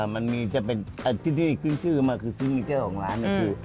มันมีจะเป็นที่นี่ขึ้นชื่อมาคือซีนิเจอร์ของร้านนี่คือ